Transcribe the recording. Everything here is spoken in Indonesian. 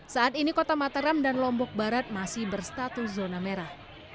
saat ini kota mataram dan lombok barat masih berstatus zona merah